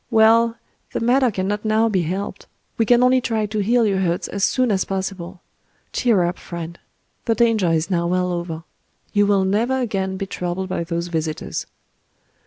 Well, the matter cannot now be helped;—we can only try to heal your hurts as soon as possible... Cheer up, friend!—the danger is now well over. You will never again be troubled by those visitors."